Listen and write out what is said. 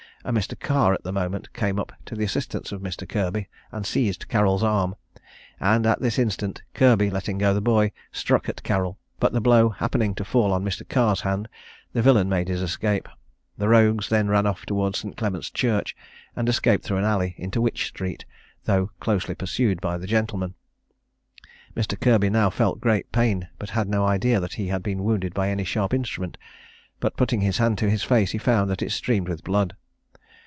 A Mr. Carr at the moment came up to the assistance of Mr. Kirby, and seized Carrol's arm, and at this instant Kirby, letting go the boy, struck at Carrol; but the blow happening to fall on Mr. Carr's hand, the villain made his escape. The rogues then ran off towards St. Clement's church, and escaped through an alley into Wych Street, though closely pursued by the gentleman. Mr. Kirby now felt great pain, but had no idea that he had been wounded by any sharp instrument; but, putting his hand to his face, he found that it streamed with blood.